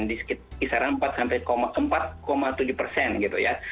di kisaran empat sampai empat tujuh persen gitu ya